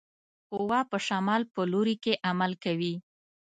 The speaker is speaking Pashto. قوه په شمال په لوري کې عمل کوي.